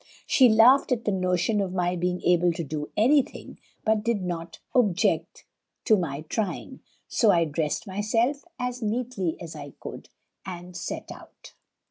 She laughed at the notion of my being able to do any thing, but did not object to my trying. So I dressed myself as neatly as I could, and set out.